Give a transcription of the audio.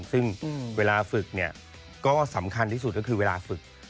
ซึ่งเวลาฝึกเนี่ยก็สำคัญที่สุดก็คือเวลาฝึก